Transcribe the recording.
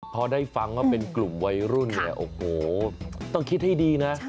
พอได้ฟังว่าเป็นกลุ่มวัยรุ่นเนี่ยโอ้โหต้องคิดให้ดีนะ